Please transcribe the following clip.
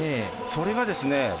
それがですね